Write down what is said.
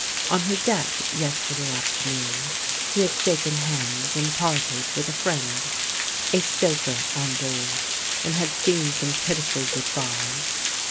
On her deck yesterday afternoon he had shaken hands and parted with a friend, a stoker on board, and had seen some pitiful good byes.